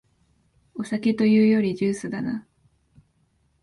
お酒というよりジュースだな